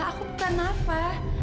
aku bukan nafa